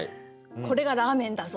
「これがラーメンだぞ！」